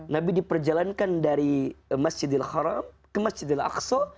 nabi diperjalankan dari masjidil haram ke masjidil aqsa